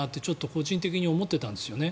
個人的に思ってたんですね。